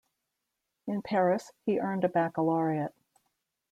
In Paris, he earned a baccalaureate.